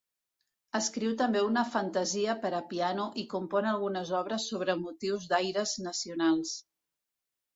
Escriu també una Fantasia per a piano i compon algunes obres sobre motius d'aires nacionals.